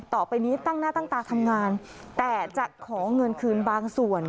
ต่อไปนี้ตั้งหน้าตั้งตาทำงานแต่จะขอเงินคืนบางส่วน